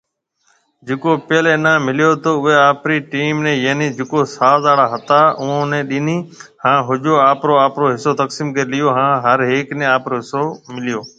جڪو پيل انعام مليو تو اوئي آپري ٽيم يعني جڪو ساز آڙا هتا اوئون ني ڏيني هان ۿجون آپرو آپرو حصو تقسيم ڪري ليئو هان هر هيڪ ني آپرو حصو مليو۔